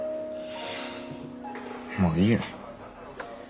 もういいよ。